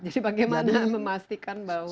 jadi bagaimana memastikan bahwa ini tidak disalahkan